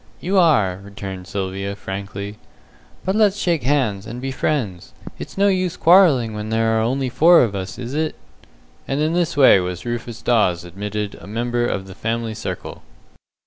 "You are," returned Sylvia, frankly, "but let's shake hands, and be friends. It's no use quarrelling when there are only four of us, is it?" And in this way was Rufus Dawes admitted a member of the family circle.